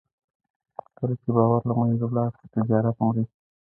کله چې باور له منځه ولاړ شي، تجارت مري.